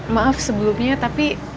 maaf sebelumnya tapi